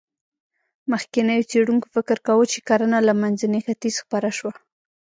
مخکېنو څېړونکو فکر کاوه، چې کرنه له منځني ختیځ خپره شوه.